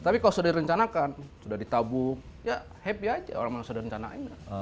tapi kalau sudah direncanakan sudah ditabuk ya happy aja orang sudah rencanain